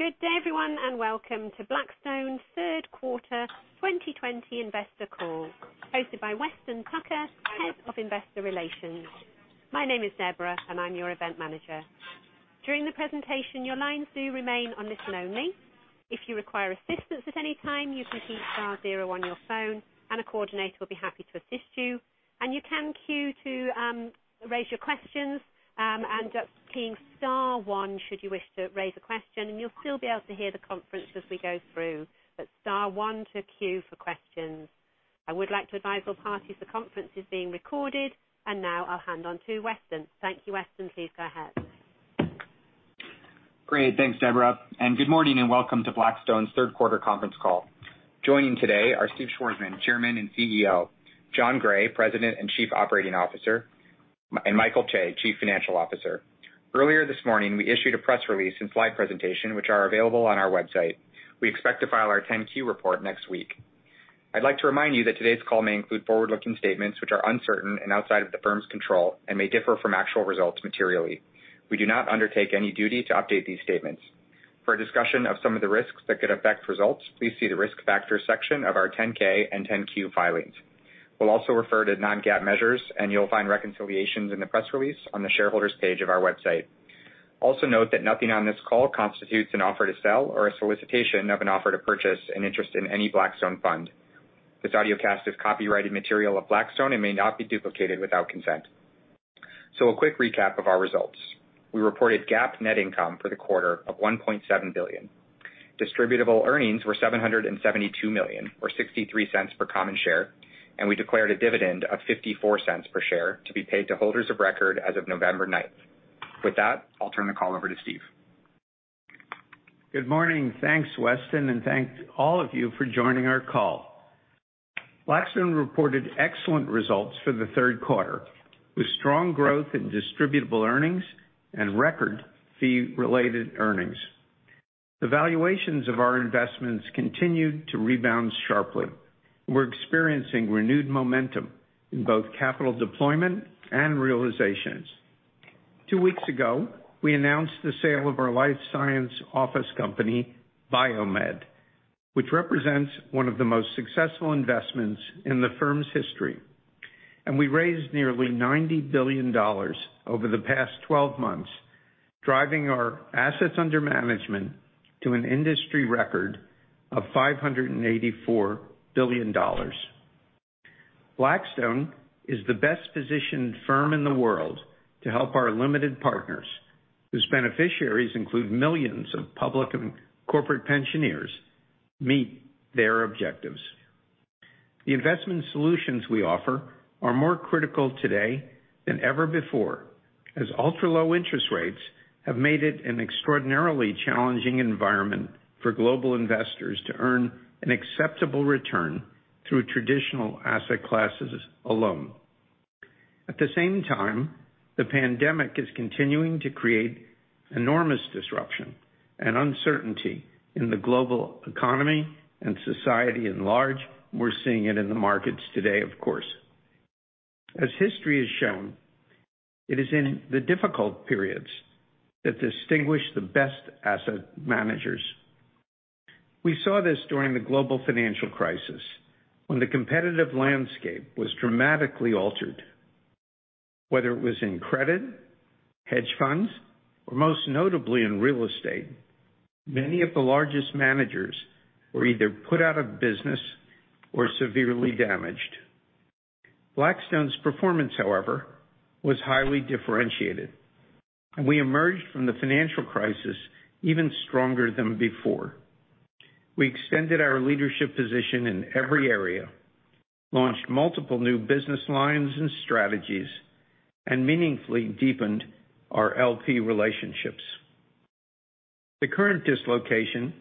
Good day everyone, and welcome to Blackstone's Q3 2020 Investor Call, hosted by Weston Tucker, Head of Investor Relations. My name is Deborah, and I'm your event manager. During the presentation, your lines do remain on listen-only. If you require assistance at any time, you can key star zero on your phone and a coordinator will be happy to assist you. You can queue to raise your questions, and keying star one should you wish to raise a question, and you'll still be able to hear the conference as we go through. Star one to queue for questions. I would like to advise all parties, the conference is being recorded. Now I'll hand on to Weston. Thank you. Weston, please go ahead. Great. Thanks Deborah. Good morning, and welcome to Blackstone's Q3 Conference Call. Joining today are Steve Schwarzman, Chairman and CEO, Jon Gray, President and Chief Operating Officer, and Michael Chae, Chief Financial Officer. Earlier this morning, we issued a press release and slide presentation which are available on our website. We expect to file our 10-Q report next week. I'd like to remind you that today's call may include forward-looking statements which are uncertain and outside of the firm's control, and may differ from actual results materially. We do not undertake any duty to update these statements. For a discussion of some of the risks that could affect results, please see the risk factors section of our 10-K and 10-Q filings. We'll also refer to non-GAAP measures. You'll find reconciliations in the press release on the shareholders page of our website. Also note that nothing on this call constitutes an offer to sell or a solicitation of an offer to purchase an interest in any Blackstone fund. This audiocast is copyrighted material of Blackstone and may not be duplicated without consent. A quick recap of our results. We reported GAAP net income for the quarter of $1.7 billion. Distributable earnings were $772 million, or $0.63 per common share, and we declared a dividend of $0.54 per share to be paid to holders of record as of November 9th. With that, I'll turn the call over to Steve. Good morning. Thanks, Weston, and thanks to all of you for joining our call. Blackstone reported excellent results for the Q3, with strong growth in distributable earnings and record fee-related earnings. The valuations of our investments continued to rebound sharply. We're experiencing renewed momentum in both capital deployment and realizations. Two weeks ago, we announced the sale of our life science office company, BioMed, which represents one of the most successful investments in the firm's history. We raised nearly $90 billion over the past 12 months, driving our assets under management to an industry record of $584 billion. Blackstone is the best positioned firm in the world to help our limited partners, whose beneficiaries include millions of public and corporate pensioners, meet their objectives. The investment solutions we offer are more critical today than ever before, as ultra low interest rates have made it an extraordinarily challenging environment for global investors to earn an acceptable return through traditional asset classes alone. At the same time, the pandemic is continuing to create enormous disruption and uncertainty in the global economy and society at large. We're seeing it in the markets today, of course. As history has shown, it is in the difficult periods that distinguish the best asset managers. We saw this during the global financial crisis, when the competitive landscape was dramatically altered. Whether it was in credit, hedge funds, or most notably in real estate, many of the largest managers were either put out of business or severely damaged. Blackstone's performance, however, was highly differentiated, and we emerged from the financial crisis even stronger than before. We extended our leadership position in every area, launched multiple new business lines and strategies, and meaningfully deepened our LP relationships. The current dislocation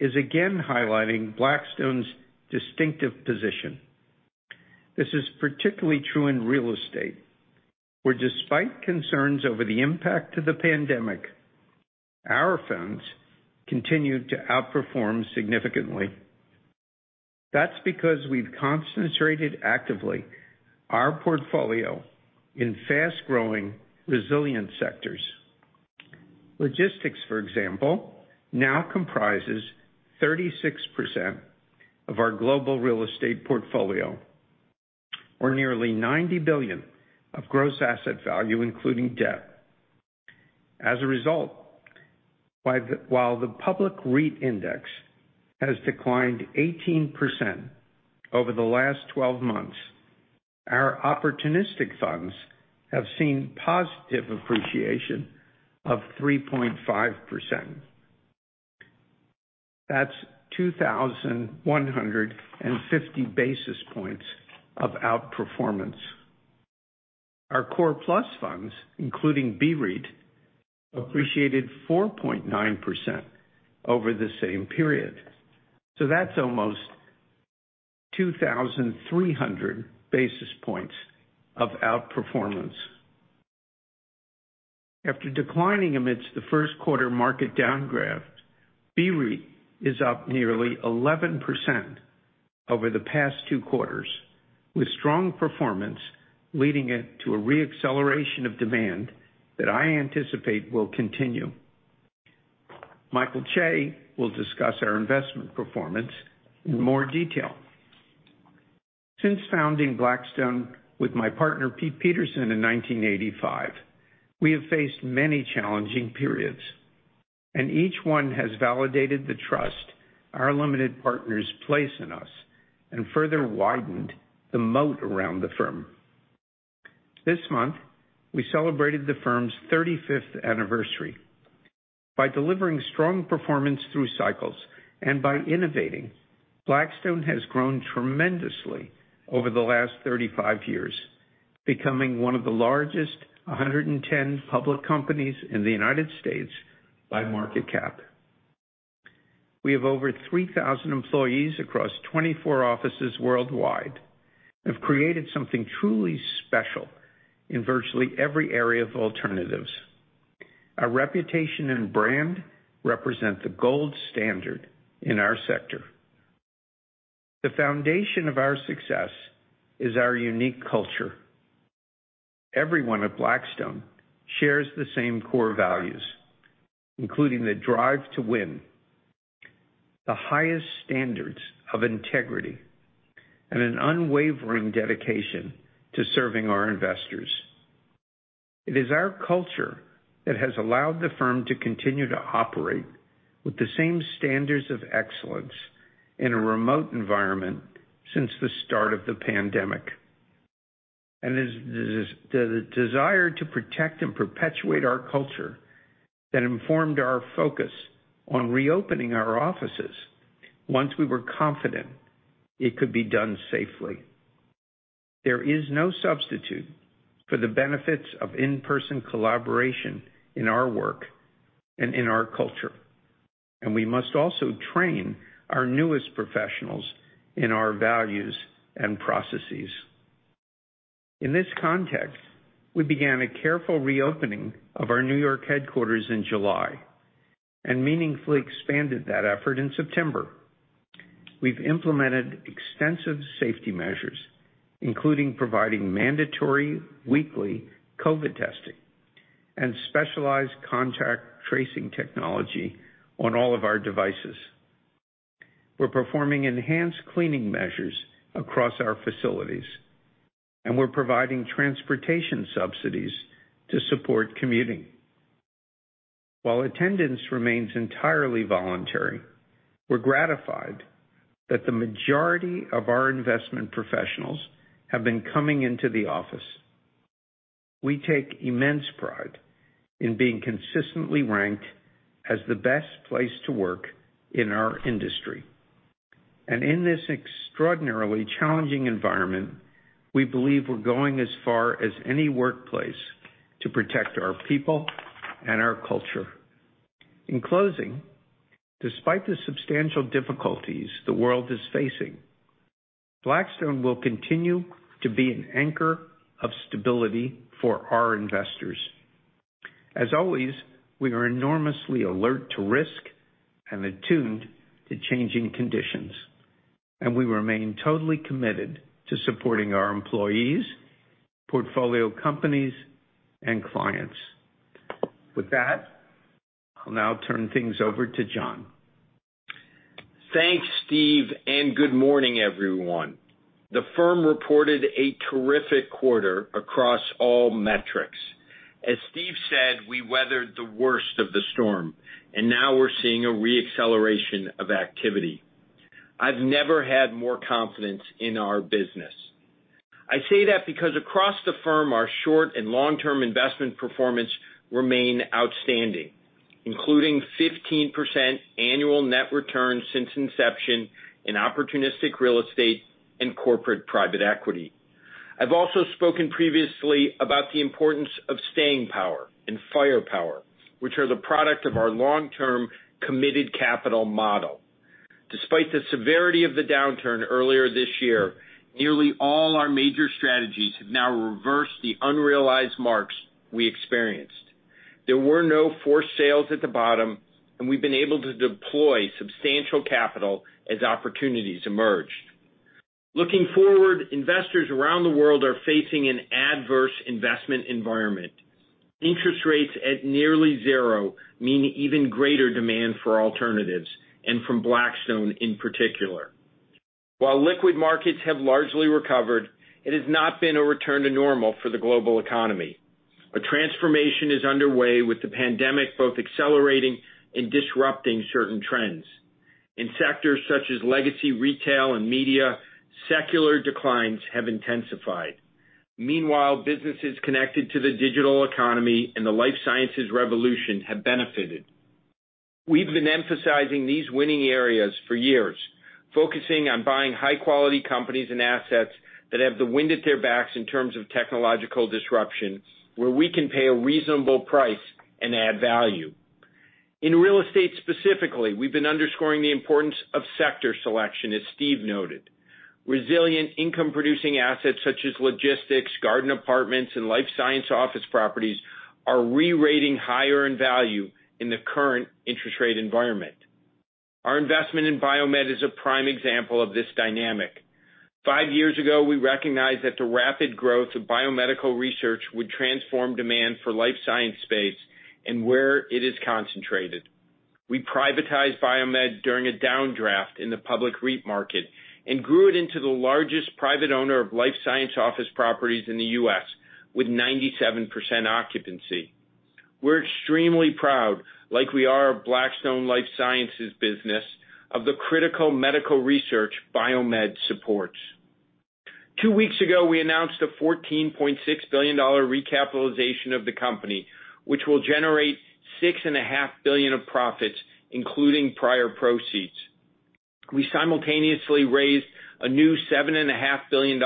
is again highlighting Blackstone's distinctive position. This is particularly true in real estate, where despite concerns over the impact of the pandemic, our firms continued to outperform significantly. That's because we've concentrated actively our portfolio in fast-growing resilient sectors. Logistics, for example, now comprises 36% of our global real estate portfolio, or nearly $90 billion of gross asset value, including debt. As a result, while the public REIT index has declined 18% over the last 12 months, our opportunistic funds have seen positive appreciation of 3.5%. That's 2,150 basis points of outperformance. Our Core Plus funds, including BREIT, appreciated 4.9% over the same period. That's almost 2,300 basis points of outperformance. After declining amidst the Q1 market downdraft, BREIT is up nearly 11%. Over the past two quarters, with strong performance leading it to a re-acceleration of demand that I anticipate will continue. Michael Chae will discuss our investment performance in more detail. Since founding Blackstone with my partner Pete Peterson in 1985, we have faced many challenging periods, and each one has validated the trust our limited partners place in us and further widened the moat around the firm. This month, we celebrated the firm's 35th anniversary. By delivering strong performance through cycles and by innovating, Blackstone has grown tremendously over the last 35 years, becoming one of the largest 110 public companies in the United States by market cap. We have over 3,000 employees across 24 offices worldwide and have created something truly special in virtually every area of alternatives. Our reputation and brand represent the gold standard in our sector. The foundation of our success is our unique culture. Everyone at Blackstone shares the same core values, including the drive to win, the highest standards of integrity, and an unwavering dedication to serving our investors. It is our culture that has allowed the firm to continue to operate with the same standards of excellence in a remote environment since the start of the pandemic. It is the desire to protect and perpetuate our culture that informed our focus on reopening our offices once we were confident it could be done safely. There is no substitute for the benefits of in-person collaboration in our work and in our culture, and we must also train our newest professionals in our values and processes. In this context, we began a careful reopening of our New York headquarters in July and meaningfully expanded that effort in September. We've implemented extensive safety measures, including providing mandatory weekly COVID testing and specialized contact tracing technology on all of our devices. We're performing enhanced cleaning measures across our facilities, and we're providing transportation subsidies to support commuting. While attendance remains entirely voluntary, we're gratified that the majority of our investment professionals have been coming into the office. We take immense pride in being consistently ranked as the best place to work in our industry. In this extraordinarily challenging environment, we believe we're going as far as any workplace to protect our people and our culture. In closing, despite the substantial difficulties the world is facing, Blackstone will continue to be an anchor of stability for our investors. As always, we are enormously alert to risk and attuned to changing conditions, and we remain totally committed to supporting our employees, portfolio companies, and clients. With that, I'll now turn things over to Jon. Thanks, Steve, and good morning, everyone. The firm reported a terrific quarter across all metrics. As Steve said, we weathered the worst of the storm, and now we're seeing a re-acceleration of activity. I've never had more confidence in our business. I say that because across the firm, our short and long-term investment performance remain outstanding, including 15% annual net returns since inception in opportunistic real estate and corporate private equity. I've also spoken previously about the importance of staying power and firepower, which are the product of our long-term committed capital model. Despite the severity of the downturn earlier this year, nearly all our major strategies have now reversed the unrealized marks we experienced. There were no forced sales at the bottom, and we've been able to deploy substantial capital as opportunities emerged. Looking forward, investors around the world are facing an adverse investment environment. Interest rates at nearly zero mean even greater demand for alternatives, and from Blackstone in particular. While liquid markets have largely recovered, it has not been a return to normal for the global economy. A transformation is underway with the pandemic both accelerating and disrupting certain trends. In sectors such as legacy retail and media, secular declines have intensified. Meanwhile, businesses connected to the digital economy and the life sciences revolution have benefited. We've been emphasizing these winning areas for years, focusing on buying high-quality companies and assets that have the wind at their backs in terms of technological disruption where we can pay a reasonable price and add value. In real estate specifically, we've been underscoring the importance of sector selection, as Steve noted. Resilient income producing assets such as logistics, garden apartments, and life science office properties are re-rating higher in value in the current interest rate environment. Our investment in BioMed is a prime example of this dynamic. Five years ago, we recognized that the rapid growth of BioMedical research would transform demand for life science space and where it is concentrated. We privatized BioMed during a downdraft in the public REIT market and grew it into the largest private owner of life science office properties in the U.S., with 97% occupancy. We're extremely proud, like we are of Blackstone Life Sciences business, of the critical medical research BioMed supports. Two weeks ago, we announced a $14.6 billion recapitalization of the company, which will generate $6.5 billion of profits, including prior proceeds. We simultaneously raised a new $7.5 billion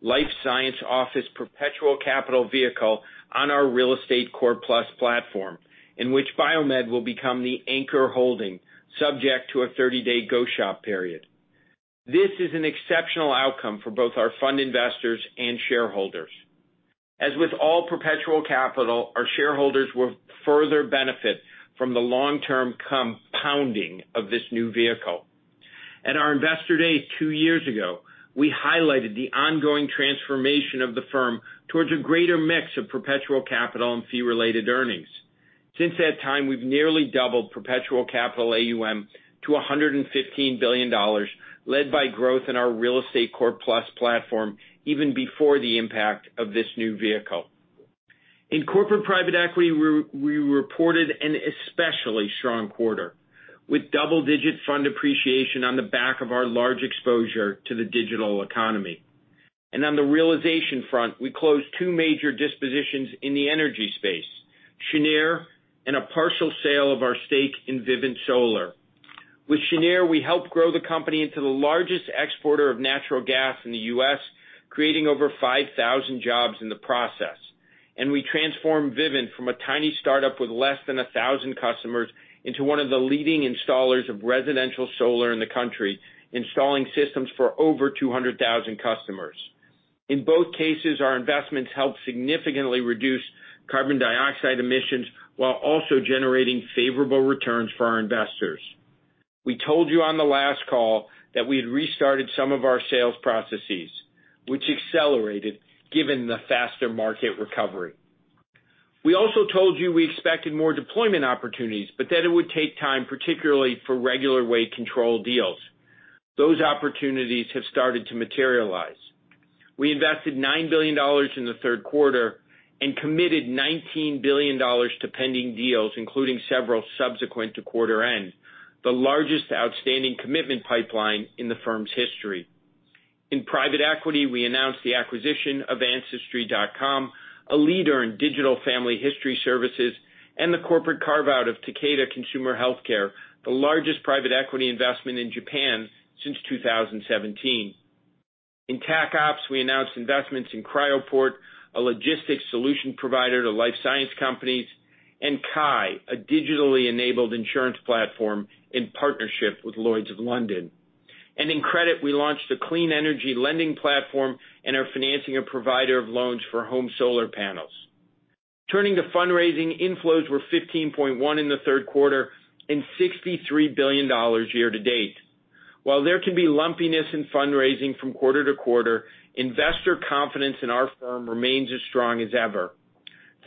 life science office perpetual capital vehicle on our Real Estate Core Plus platform, in which BioMed will become the anchor holding, subject to a 30-day go-shop period. This is an exceptional outcome for both our fund investors and shareholders. As with all perpetual capital, our shareholders will further benefit from the long-term compounding of this new vehicle. At our Investor Day two years ago, we highlighted the ongoing transformation of the firm towards a greater mix of perpetual capital and fee-related earnings. Since that time, we've nearly doubled perpetual capital AUM to $115 billion, led by growth in our Real Estate Core Plus platform, even before the impact of this new vehicle. In corporate private equity, we reported an especially strong quarter, with double-digit fund appreciation on the back of our large exposure to the digital economy. On the realization front, we closed two major dispositions in the energy space, Cheniere and a partial sale of our stake in Vivint Solar. With Cheniere, we helped grow the company into the largest exporter of natural gas in the U.S., creating over 5,000 jobs in the process. We transformed Vivint from a tiny startup with less than 1,000 customers into one of the leading installers of residential solar in the country, installing systems for over 200,000 customers. In both cases, our investments helped significantly reduce carbon dioxide emissions while also generating favorable returns for our investors. We told you on the last call that we had restarted some of our sales processes, which accelerated given the faster market recovery. We also told you we expected more deployment opportunities, but that it would take time, particularly for regular-way control deals. Those opportunities have started to materialize. We invested $9 billion in the Q3 and committed $19 billion to pending deals, including several subsequent to quarter end, the largest outstanding commitment pipeline in the firm's history. In private equity, we announced the acquisition of Ancestry.com, a leader in digital family history services, and the corporate carve-out of Takeda Consumer Healthcare, the largest private equity investment in Japan since 2017. In Tac Opps, we announced investments in Cryoport, a logistics solution provider to life science companies, and Ki, a digitally enabled insurance platform in partnership with Lloyd's of London. In credit, we launched a clean energy lending platform and are financing a provider of loans for home solar panels. Turning to fundraising, inflows were $15.1 billion in the Q3 and $63 billion year-to-date. While there can be lumpiness in fundraising from quarter-to-quarter, investor confidence in our firm remains as strong as ever.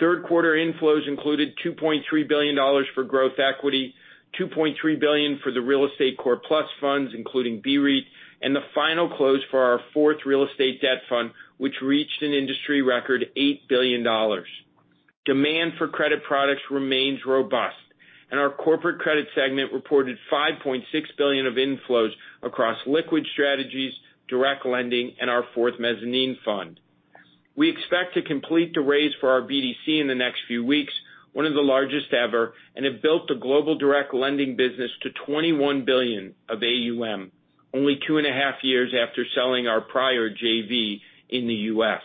Q3 inflows included $2.3 billion for growth equity, $2.3 billion for the Real Estate Core Plus funds, including BREIT, and the final close for our fourth real estate debt fund, which reached an industry record $8 billion. Demand for credit products remains robust, and our corporate credit segment reported $5.6 billion of inflows across liquid strategies, direct lending, and our fourth mezzanine fund. We expect to complete the raise for our BDC in the next few weeks, one of the largest ever, and have built the global direct lending business to $21 billion of AUM, only two and a half years after selling our prior JV in the U.S.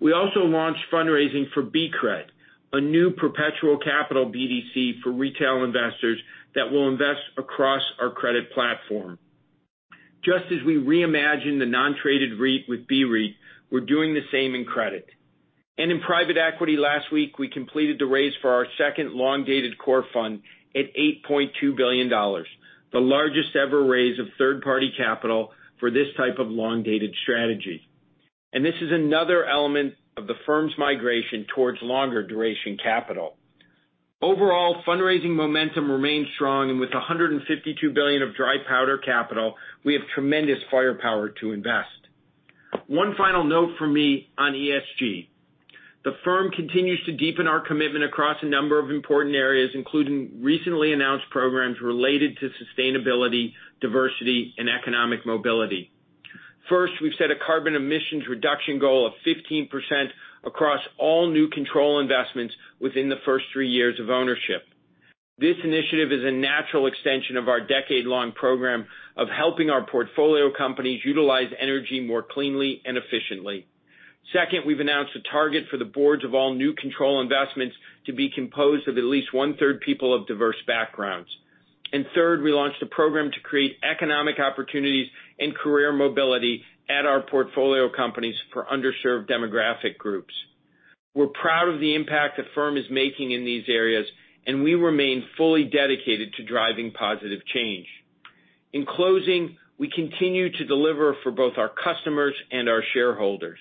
We also launched fundraising for BCRED, a new perpetual capital BDC for retail investors that will invest across our credit platform. Just as we reimagined the non-traded REIT with BREIT, we're doing the same in credit. In private equity last week, we completed the raise for our second long-dated core fund at $8.2 billion, the largest ever raise of third-party capital for this type of long-dated strategy. This is another element of the firm's migration towards longer duration capital. Overall, fundraising momentum remains strong, and with $152 billion of dry powder capital, we have tremendous firepower to invest. One final note from me on ESG. The firm continues to deepen our commitment across a number of important areas, including recently announced programs related to sustainability, diversity, and economic mobility. First, we've set a carbon emissions reduction goal of 15% across all new control investments within the first three years of ownership. This initiative is a natural extension of our decade-long program of helping our portfolio companies utilize energy more cleanly and efficiently. Second, we've announced a target for the boards of all new control investments to be composed of at least one-third people of diverse backgrounds. Third, we launched a program to create economic opportunities and career mobility at our portfolio companies for underserved demographic groups. We're proud of the impact the firm is making in these areas, and we remain fully dedicated to driving positive change. In closing, we continue to deliver for both our customers and our shareholders.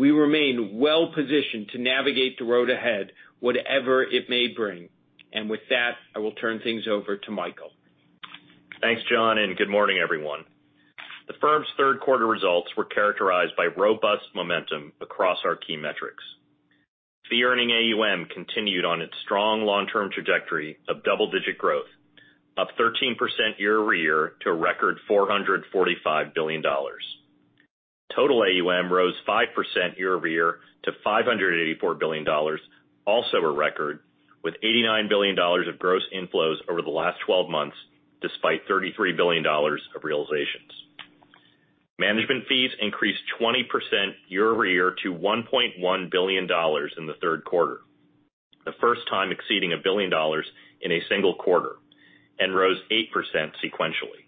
We remain well-positioned to navigate the road ahead, whatever it may bring. With that, I will turn things over to Michael. Thanks, Jon. Good morning, everyone. The firm's Q3 results were characterized by robust momentum across our key metrics. Fee-earning AUM continued on its strong long-term trajectory of double-digit growth, up 13% year-over-year to a record $445 billion. Total AUM rose 5% year-over-year to $584 billion, also a record, with $89 billion of gross inflows over the last 12 months, despite $33 billion of realizations. Management fees increased 20% year-over-year to $1.1 billion in the Q3, the first time exceeding a billion dollars in a single quarter, and rose 8% sequentially.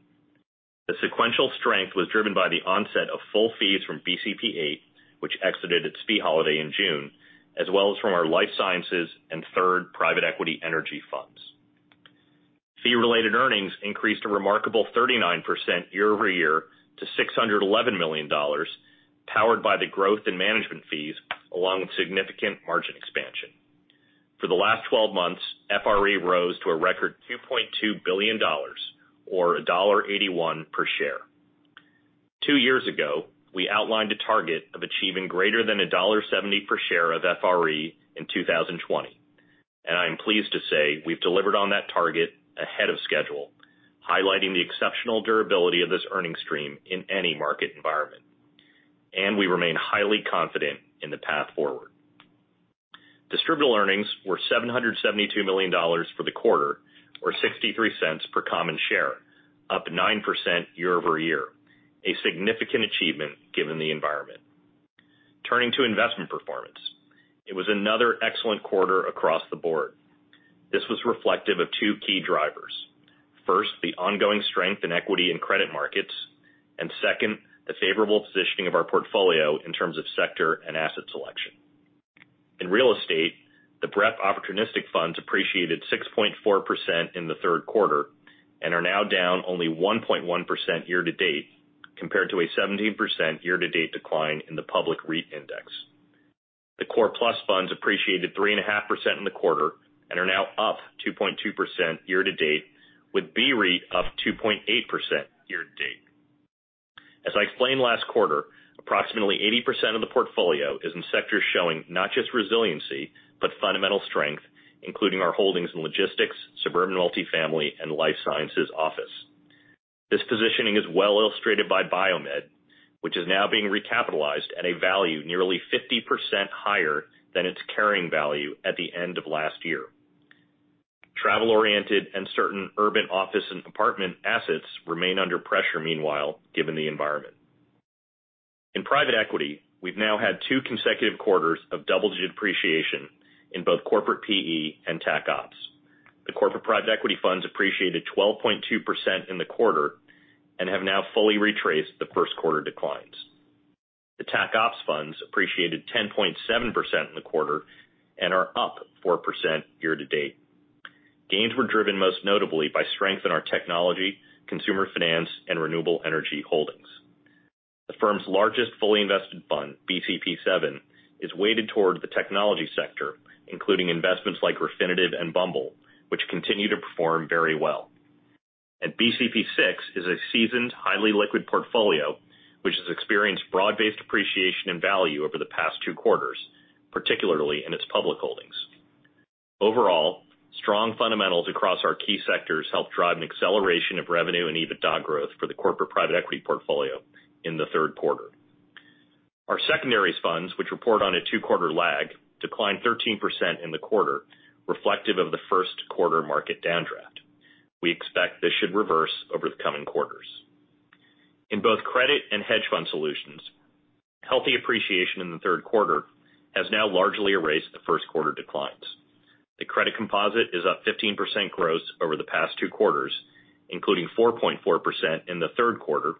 The sequential strength was driven by the onset of full fees from BCP VIII, which exited its fee holiday in June, as well as from our life sciences and third private equity energy funds. Fee-related earnings increased a remarkable 39% year-over-year to $611 million, powered by the growth in management fees along with significant margin expansion. For the last 12 months, FRE rose to a record $2.2 billion, or $1.81 per share. Two years ago, we outlined a target of achieving greater than $1.70 per share of FRE in 2020, I am pleased to say we've delivered on that target ahead of schedule, highlighting the exceptional durability of this earning stream in any market environment. We remain highly confident in the path forward. Distributable earnings were $772 million for the quarter, or $0.63 per common share, up 9% year-over-year, a significant achievement given the environment. Turning to investment performance, it was another excellent quarter across the board. This was reflective of two key drivers. First, the ongoing strength in equity and credit markets, and second, the favorable positioning of our portfolio in terms of sector and asset selection. In real estate, the BREP opportunistic funds appreciated 6.4% in the Q3, and are now down only 1.1% year-to-date, compared to a 17% year-to-date decline in the public REIT index. The Real Estate Core Plus funds appreciated 3.5% in the quarter, and are now up 2.2% year-to-date, with BREIT up 2.8% year-to-date. As I explained last quarter, approximately 80% of the portfolio is in sectors showing not just resiliency, but fundamental strength, including our holdings in logistics, suburban multifamily, and life sciences office. This positioning is well illustrated by BioMed, which is now being recapitalized at a value nearly 50% higher than its carrying value at the end of last year. Travel-oriented and certain urban office and apartment assets remain under pressure meanwhile, given the environment. In private equity, we've now had two consecutive quarters of double-digit appreciation in both corporate PE and Tac Opps. The corporate private equity funds appreciated 12.2% in the quarter, and have now fully retraced the Q1 declines. The Tac Opps funds appreciated 10.7% in the quarter, and are up 4% year-to-date. Gains were driven most notably by strength in our technology, consumer finance, and renewable energy holdings. The firm's largest fully invested fund, BCP VII, is weighted toward the technology sector, including investments like Refinitiv and Bumble, which continue to perform very well. BCP VI is a seasoned, highly liquid portfolio, which has experienced broad-based appreciation in value over the past two quarters, particularly in its public holdings. Overall, strong fundamentals across our key sectors helped drive an acceleration of revenue and EBITDA growth for the corporate private equity portfolio in the Q3. Our secondaries funds, which report on a two-quarter lag, declined 13% in the quarter, reflective of the Q1 market downdraft. We expect this should reverse over the coming quarters. In both credit and hedge fund solutions, healthy appreciation in the Q3 has now largely erased the Q1 declines. The credit composite is up 15% gross over the past two quarters, including 4.4% in the Q3,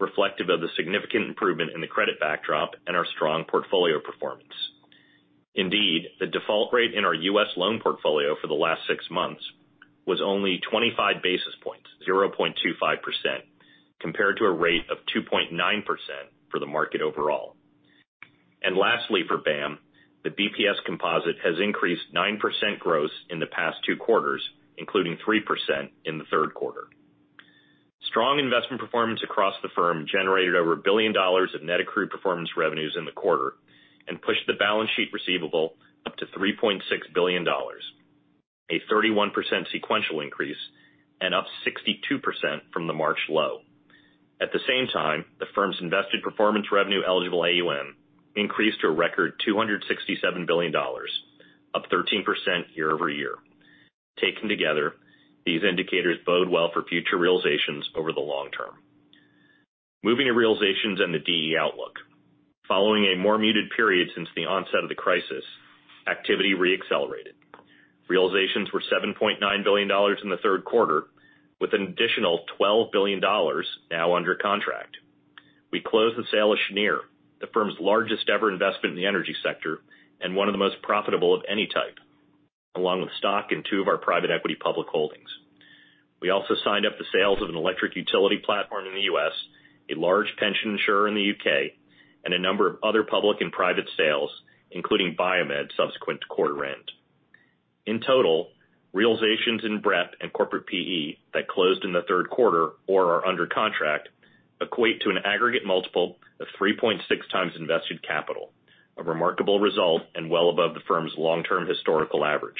reflective of the significant improvement in the credit backdrop and our strong portfolio performance. Indeed, the default rate in our U.S. loan portfolio for the last six months was only 25 basis points, 0.25%, compared to a rate of 2.9% for the market overall. Lastly, for BAAM, the BPS composite has increased 9% gross in the past two quarters, including 3% in the Q3. Strong investment performance across the firm generated over $1 billion of net accrued performance revenues in the quarter, and pushed the balance sheet receivable up to $3.6 billion, a 31% sequential increase, and up 62% from the March low. At the same time, the firm's invested performance revenue eligible AUM increased to a record $267 billion, up 13% year-over-year. Taken together, these indicators bode well for future realizations over the long term. Moving to realizations and the DE outlook. Following a more muted period since the onset of the crisis, activity re-accelerated. Realizations were $7.9 billion in the Q3, with an additional $12 billion now under contract. We closed the sale of Cheniere, the firm's largest ever investment in the energy sector, and one of the most profitable of any type, along with stock in two of our private equity public holdings. We also signed up the sales of an electric utility platform in the U.S., a large pension insurer in the U.K., and a number of other public and private sales, including BioMed subsequent to quarter end. In total, realizations in BREP and corporate PE that closed in the Q3 or are under contract, equate to an aggregate multiple of 3.6x invested capital, a remarkable result and well above the firm's long-term historical average.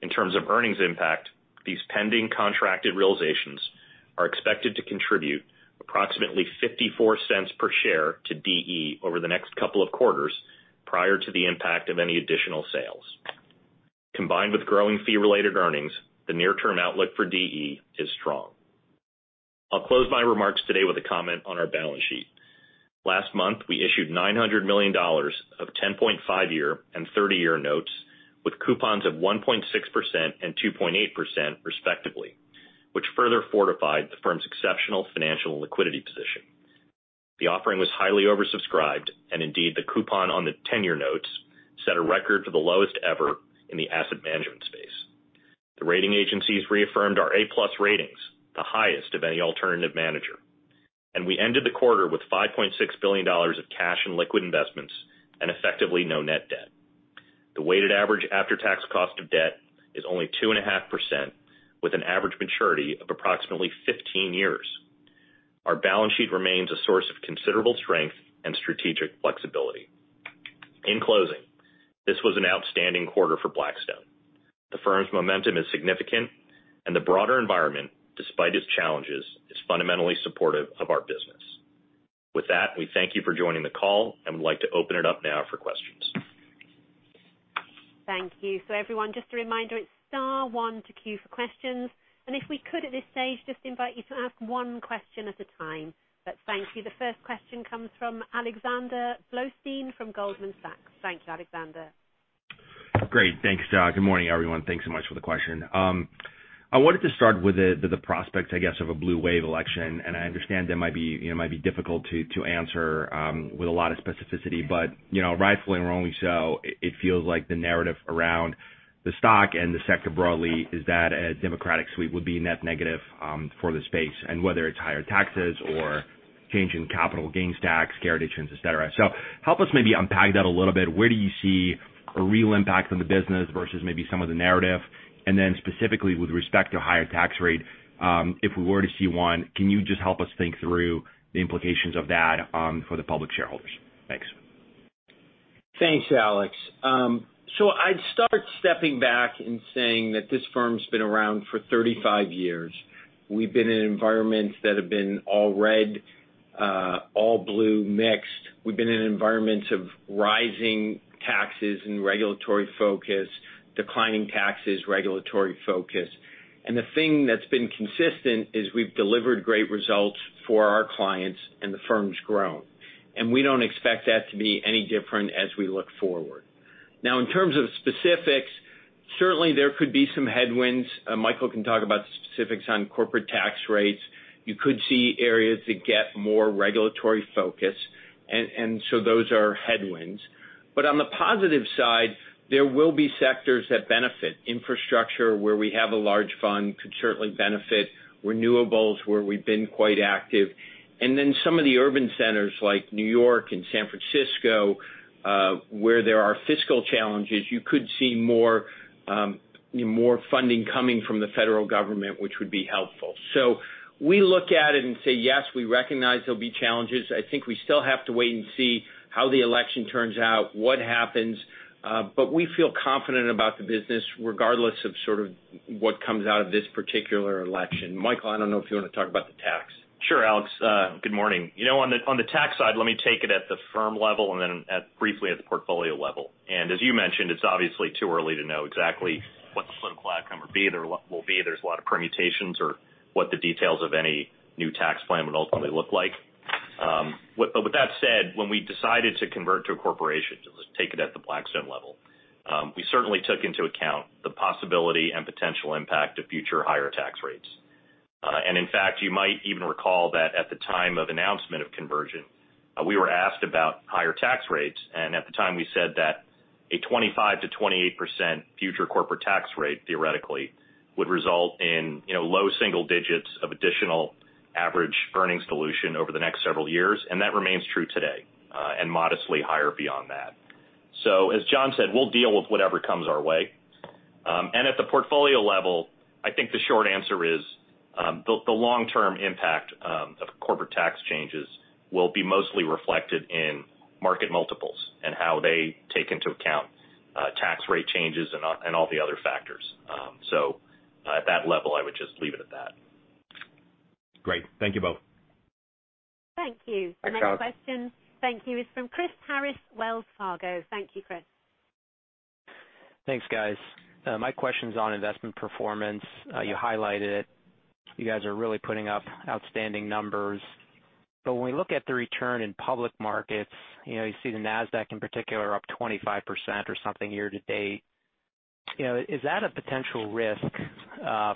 In terms of earnings impact, these pending contracted realizations are expected to contribute approximately $0.54 per share to DE over the next couple of quarters prior to the impact of any additional sales. Combined with growing fee related earnings, the near-term outlook for DE is strong. I'll close my remarks today with a comment on our balance sheet. Last month, we issued $900 million of 10.5-year and 30-year notes with coupons of 1.6% and 2.8% respectively, which further fortified the firm's exceptional financial liquidity position. Indeed, the coupon on the 10-year notes set a record for the lowest ever in the asset management space. The rating agencies reaffirmed our A+ ratings, the highest of any alternative manager. We ended the quarter with $5.6 billion of cash and liquid investments and effectively no net debt. The weighted average after-tax cost of debt is only 2.5% with an average maturity of approximately 15 years. Our balance sheet remains a source of considerable strength and strategic flexibility. In closing, this was an outstanding quarter for Blackstone. The firm's momentum is significant, and the broader environment, despite its challenges, is fundamentally supportive of our business. With that, we thank you for joining the call, and would like to open it up now for questions. Thank you. Everyone, just a reminder, it's star one to queue for questions. If we could at this stage just invite you to ask one question at a time. Thank you. The first question comes from Alexander Blostein from Goldman Sachs. Thank you, Alexander. Great. Thanks. Good morning, everyone. Thanks so much for the question. I wanted to start with the prospect, I guess, of a blue wave election, and I understand that it might be difficult to answer with a lot of specificity, but rightfully and wrongly so, it feels like the narrative around the stock and the sector broadly is that a Democratic sweep would be net negative for the space, and whether it's higher taxes or change in capital gains tax, et cetera. Help us maybe unpack that a little bit. Where do you see a real impact on the business versus maybe some of the narrative? Specifically with respect to higher tax rate, if we were to see one, can you just help us think through the implications of that for the public shareholders? Thanks. Thanks, Alex. I'd start stepping back and saying that this firm's been around for 35 years. We've been in environments that have been all red, all blue, mixed. We've been in environments of rising taxes and regulatory focus, declining taxes, regulatory focus. The thing that's been consistent is we've delivered great results for our clients and the firm's grown. We don't expect that to be any different as we look forward. Now, in terms of specifics, certainly there could be some headwinds. Michael can talk about the specifics on corporate tax rates. You could see areas that get more regulatory focus. Those are headwinds. On the positive side, there will be sectors that benefit. Infrastructure where we have a large fund could certainly benefit. Renewables where we've been quite active. Some of the urban centers like New York and San Francisco, where there are fiscal challenges, you could see more funding coming from the federal government, which would be helpful. We look at it and say, yes, we recognize there'll be challenges. I think we still have to wait and see how the election turns out, what happens, but we feel confident about the business regardless of sort of what comes out of this particular election. Michael, I don't know if you want to talk about the tax. Sure, Alex. Good morning. On the tax side, let me take it at the firm level and then briefly at the portfolio level. As you mentioned, it's obviously too early to know exactly what the political outcome will be. There's a lot of permutations or what the details of any new tax plan would ultimately look like. With that said, when we decided to convert to a corporation, let's take it at the Blackstone level. We certainly took into account the possibility and potential impact of future higher tax rates. In fact, you might even recall that at the time of announcement of conversion, we were asked about higher tax rates. At the time, we said that a 25%-28% future corporate tax rate theoretically would result in low single digits of additional average earnings dilution over the next several years. That remains true today, and modestly higher beyond that. As Jon said, we'll deal with whatever comes our way. At the portfolio level, I think the short answer is the long-term impact of corporate tax changes will be mostly reflected in market multiples and how they take into account tax rate changes and all the other factors. At that level, I would just leave it at that. Great. Thank you both. Thank you. Thanks, Alex. The next question, thank you, is from Chris Harris, Wells Fargo. Thank you, Chris. Thanks, guys. My question's on investment performance. You highlighted it. You guys are really putting up outstanding numbers. When we look at the return in public markets, you see the Nasdaq in particular up 25% or something year-to-date. Is that a potential risk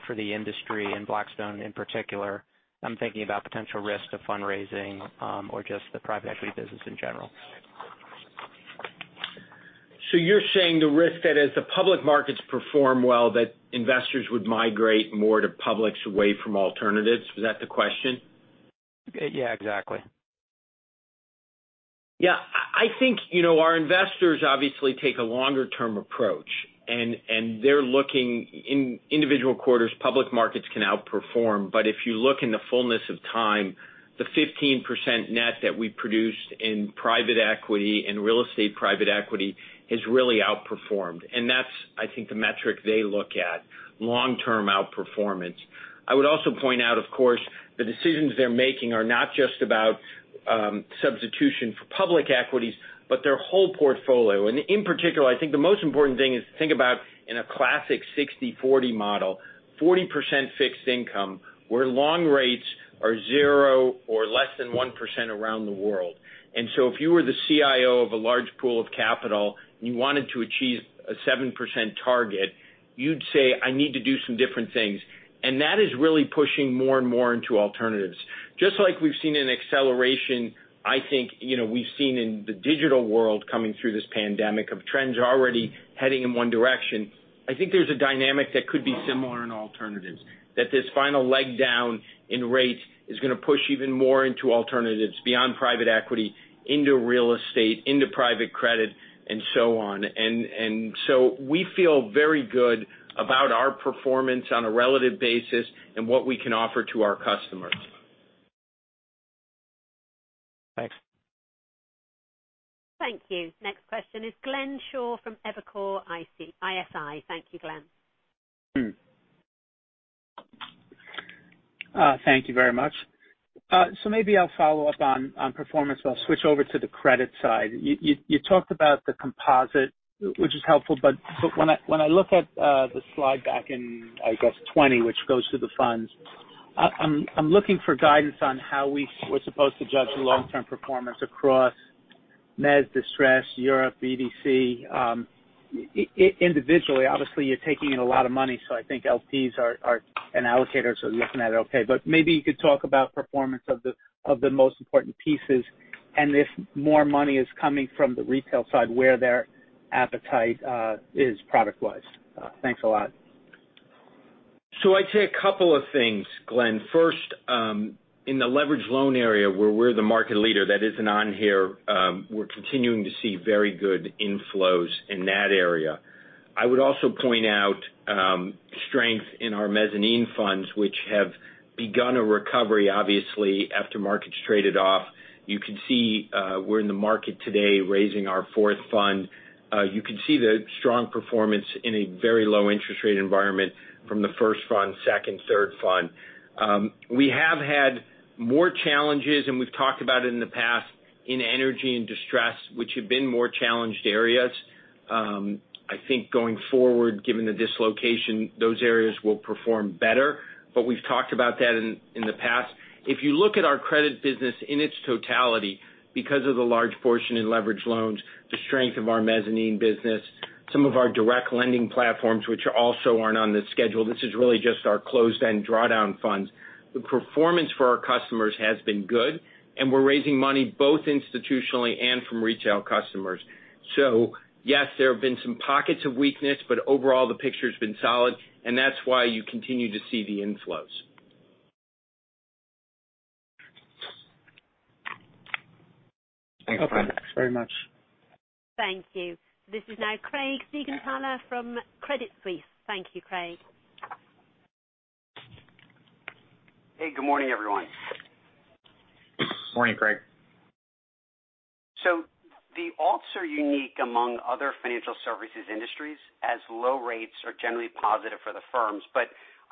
for the industry and Blackstone in particular? I'm thinking about potential risk to fundraising or just the private equity business in general. You're saying the risk that as the public markets perform well, that investors would migrate more to publics away from alternatives? Was that the question? Yeah, exactly. I think, our investors obviously take a longer-term approach. In individual quarters, public markets can outperform, but if you look in the fullness of time, the 15% net that we produced in private equity and real estate private equity has really outperformed. That's, I think, the metric they look at, long-term outperformance. I would also point out, of course, the decisions they're making are not just about substitution for public equities, but their whole portfolio. In particular, I think the most important thing is to think about in a classic 60/40 model, 40% fixed income, where long rates are zero or less than 1% around the world. If you were the CIO of a large pool of capital and you wanted to achieve a 7% target, you'd say, I need to do some different things. That is really pushing more and more into alternatives. Just like we've seen an acceleration, I think, we've seen in the digital world coming through this pandemic of trends already heading in one direction. I think there's a dynamic that could be similar in alternatives, that this final leg down in rates is going to push even more into alternatives beyond private equity, into real estate, into private credit, and so on. We feel very good about our performance on a relative basis and what we can offer to our customers. Thanks. Thank you. Next question is Glenn Schorr from Evercore ISI. Thank you, Glenn. Thank you very much. Maybe I'll follow up on performance, but I'll switch over to the credit side. You talked about the composite, which is helpful, but when I look at the slide back in, I guess, 20, which goes to the funds, I'm looking for guidance on how we were supposed to judge the long-term performance across mezz, distress, Europe, BDC. Individually, obviously, you're taking in a lot of money, so I think LPs and allocators are looking at it okay. Maybe you could talk about performance of the most important pieces, and if more money is coming from the retail side, where their appetite is product-wise. Thanks a lot. I'd say a couple of things, Glenn. First, in the leverage loan area, where we're the market leader, that isn't on here, we're continuing to see very good inflows in that area. I would also point out strength in our mezzanine funds, which have begun a recovery, obviously, after markets traded off. You can see we're in the market today raising our fourth fund. You can see the strong performance in a very low interest rate environment from the first fund, second, third fund. We have had more challenges, and we've talked about it in the past in energy and distress, which have been more challenged areas. I think going forward, given the dislocation, those areas will perform better, but we've talked about that in the past. If you look at our credit business in its totality, because of the large portion in leverage loans, the strength of our mezzanine business, some of our direct lending platforms, which also aren't on this schedule, this is really just our closed-end drawdown funds. The performance for our customers has been good, and we're raising money both institutionally and from retail customers. Yes, there have been some pockets of weakness, but overall, the picture's been solid, and that's why you continue to see the inflows. Okay. Thanks very much. Thank you. This is now Craig Siegenthaler from Credit Suisse. Thank you, Craig. Hey, good morning, everyone. Morning, Craig. The alts are unique among other financial services industries, as low rates are generally positive for the firms.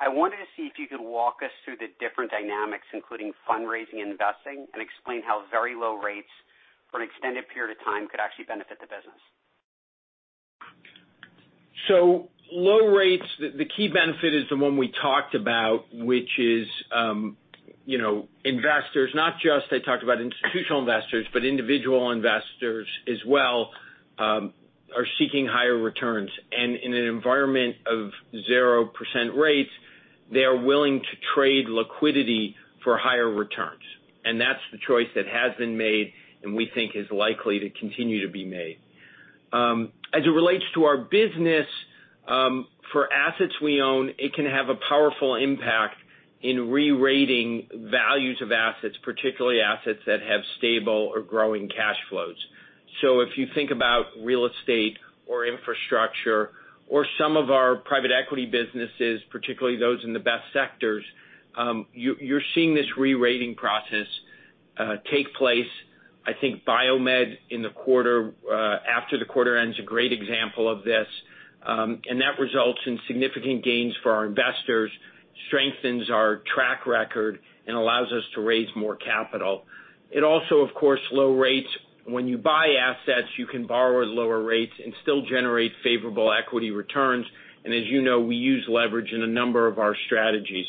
I wanted to see if you could walk us through the different dynamics, including fundraising and investing, and explain how very low rates for an extended period of time could actually benefit the business. Low rates, the key benefit is the one we talked about, which is investors, not just I talked about institutional investors, but individual investors as well, are seeking higher returns. In an environment of 0% rates, they are willing to trade liquidity for higher returns. That's the choice that has been made, and we think is likely to continue to be made. As it relates to our business, for assets we own, it can have a powerful impact in re-rating values of assets, particularly assets that have stable or growing cash flows. If you think about real estate or infrastructure or some of our private equity businesses, particularly those in the best sectors, you're seeing this re-rating process take place. I think BioMed in the quarter, after the quarter end's a great example of this. That results in significant gains for our investors, strengthens our track record, and allows us to raise more capital. It also, of course, low rates. When you buy assets, you can borrow at lower rates and still generate favorable equity returns. As you know, we use leverage in a number of our strategies.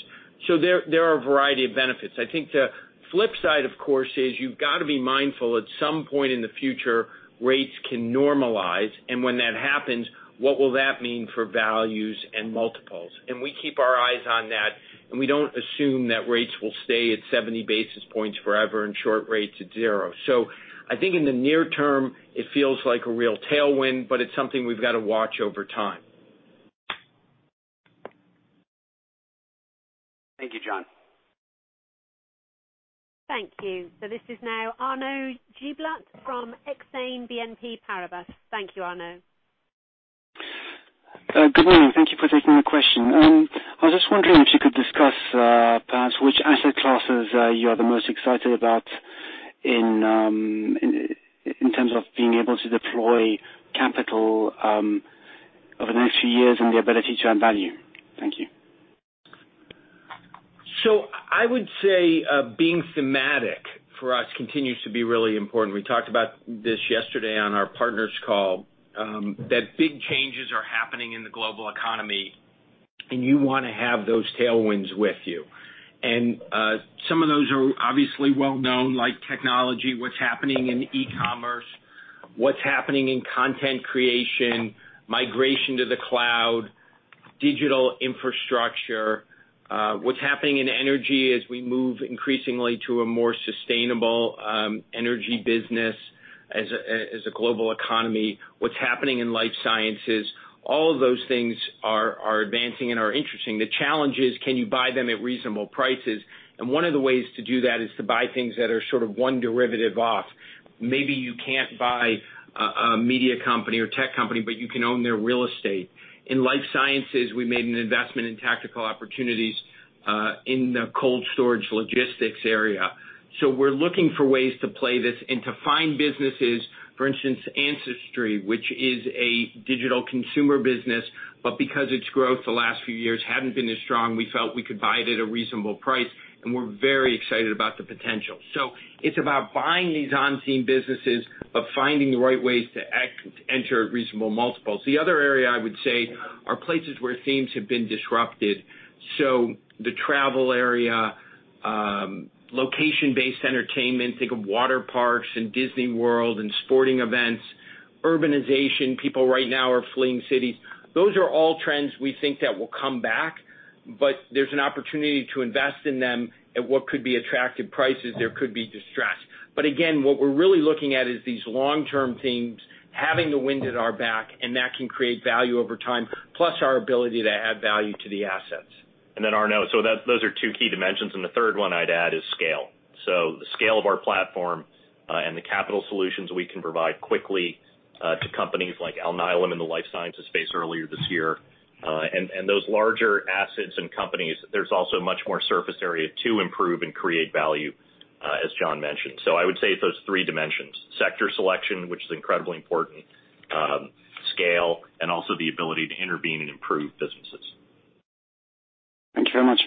There are a variety of benefits. I think the flip side, of course, is you've got to be mindful, at some point in the future, rates can normalize. When that happens, what will that mean for values and multiples? We keep our eyes on that, and we don't assume that rates will stay at 70 basis points forever and short rates at zero. I think in the near term, it feels like a real tailwind, but it's something we've got to watch over time. Thank you, Jon. Thank you. This is now Arnaud Giblat from Exane BNP Paribas. Thank you, Arnaud. Good morning. Thank you for taking the question. I was just wondering if you could discuss, perhaps, which asset classes you are the most excited about in terms of being able to deploy capital over the next few years and the ability to add value. Thank you. I would say being thematic for us continues to be really important. We talked about this yesterday on our partners call, that big changes are happening in the global economy, and you want to have those tailwinds with you. Some of those are obviously well-known, like technology, what's happening in e-commerce, what's happening in content creation, migration to the cloud, digital infrastructure. What's happening in energy as we move increasingly to a more sustainable energy business as a global economy. What's happening in life sciences. All of those things are advancing and are interesting. The challenge is, can you buy them at reasonable prices? One of the ways to do that is to buy things that are sort of one derivative off. Maybe you can't buy a media company or tech company, but you can own their real estate. In life sciences, we made an investment in tactical opportunities, in the cold storage logistics area. We're looking for ways to play this, and to find businesses, for instance, Ancestry, which is a digital consumer business. Because its growth the last few years hadn't been as strong, we felt we could buy it at a reasonable price, and we're very excited about the potential. It's about buying these on-theme businesses, but finding the right ways to enter at reasonable multiples. The other area I would say are places where themes have been disrupted. The travel area, location-based entertainment. Think of water parks and Disney World and sporting events. Urbanization. People right now are fleeing cities. Those are all trends we think that will come back, but there's an opportunity to invest in them at what could be attractive prices. There could be distress. Again, what we're really looking at is these long-term themes, having the wind at our back, and that can create value over time. Plus our ability to add value to the assets. Arnaud, those are two key dimensions, and the third one I'd add is scale. The scale of our platform, and the capital solutions we can provide quickly to companies like Alnylam in the life sciences space earlier this year. Those larger assets and companies, there's also much more surface area to improve and create value, as Jon mentioned. I would say it's those three dimensions. Sector selection, which is incredibly important, scale, and also the ability to intervene and improve businesses. Thank you very much.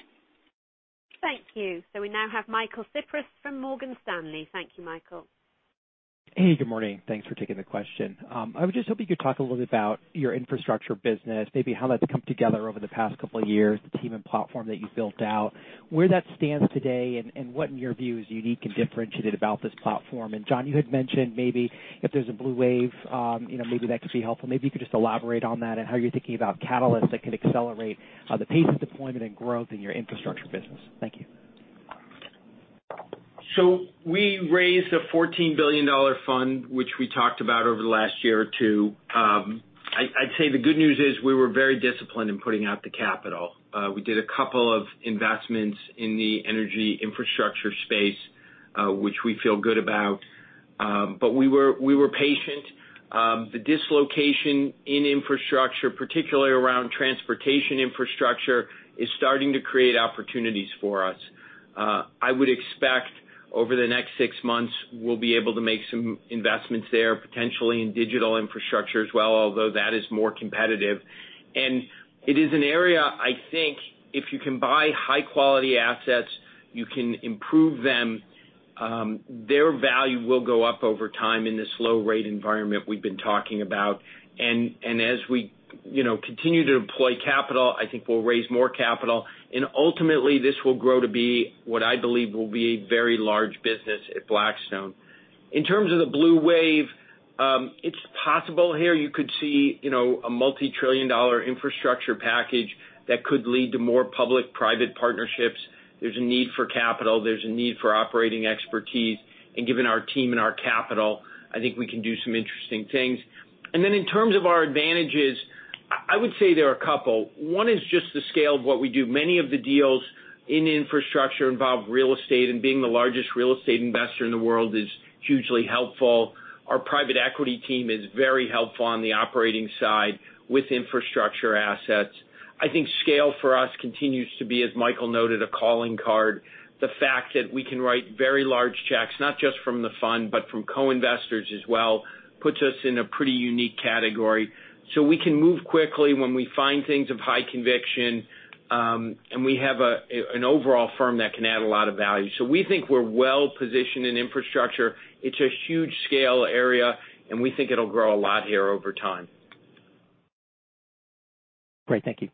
Thank you. We now have Michael Cyprys from Morgan Stanley. Thank you, Michael. Hey, good morning. Thanks for taking the question. I was just hoping you could talk a little bit about your infrastructure business, maybe how that's come together over the past couple of years, the team and platform that you've built out. Where that stands today, and what in your view is unique and differentiated about this platform. Jon, you had mentioned maybe if there's a blue wave, maybe that could be helpful. Maybe you could just elaborate on that and how you're thinking about catalysts that could accelerate the pace of deployment and growth in your infrastructure business. Thank you. We raised a $14 billion fund, which we talked about over the last year or two. I'd say the good news is we were very disciplined in putting out the capital. We did a couple of investments in the energy infrastructure space, which we feel good about. We were patient. The dislocation in infrastructure, particularly around transportation infrastructure, is starting to create opportunities for us. I would expect over the next six months, we'll be able to make some investments there, potentially in digital infrastructure as well, although that is more competitive. It is an area, I think, if you can buy high-quality assets. You can improve them. Their value will go up over time in this low-rate environment we've been talking about. As we continue to deploy capital, I think we'll raise more capital. Ultimately, this will grow to be what I believe will be a very large business at Blackstone. In terms of the blue wave, it's possible here you could see a multi-trillion-dollar infrastructure package that could lead to more public-private partnerships. There's a need for capital. There's a need for operating expertise. Given our team and our capital, I think we can do some interesting things. In terms of our advantages, I would say there are a couple. One is just the scale of what we do. Many of the deals in infrastructure involve real estate, and being the largest real estate investor in the world is hugely helpful. Our private equity team is very helpful on the operating side with infrastructure assets. I think scale for us continues to be, as Michael noted, a calling card. The fact that we can write very large checks, not just from the fund, but from co-investors as well, puts us in a pretty unique category. We can move quickly when we find things of high conviction, and we have an overall firm that can add a lot of value. We think we're well-positioned in infrastructure. It's a huge scale area, and we think it'll grow a lot here over time. Great. Thank you.